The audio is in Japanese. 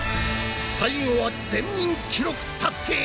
最後は全員記録達成！